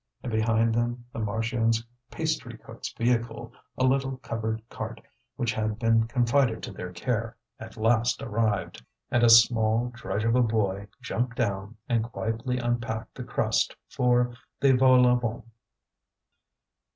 And behind them the Marchiennes pastrycook's vehicle, a little covered cart which had been confided to their care, at last arrived, and a small drudge of a boy jumped down and quietly unpacked the crusts for the vol au vent.